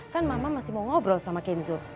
kan mama masih mau ngobrol sama kenzo